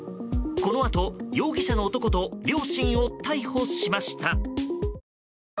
このあと、容疑者の男と両親を逮捕しました。